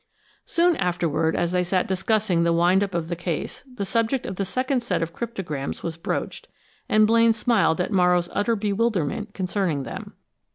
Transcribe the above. Soon afterward, as they sat discussing the wind up of the case, the subject of the second set of cryptograms was broached, and Blaine smiled at Morrow's utter bewilderment concerning them.